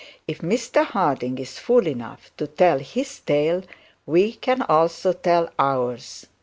If Mr Harding is fool enough to tell his tale, we can also tell ours.